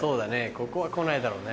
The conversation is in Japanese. ここは来ないだろうね。